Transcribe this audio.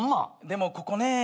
でもここね。